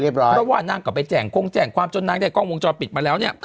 เพราะว่านางกลับไปแจ่งโค้งแจ่งความจนนางได้กล้องวงจรปิดมาแล้ว